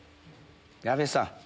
矢部さん。